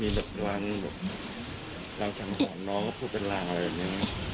มีหลักบอกรักของน้องพูดเป็นร่างอะไรแบบนี้นะครับ